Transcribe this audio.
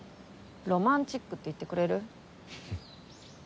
ロマンチックって言ってくれる？